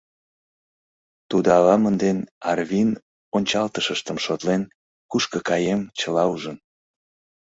Тудо авамын ден Арвин ончалтышыштым шотлен, кушко каем, чыла ужын.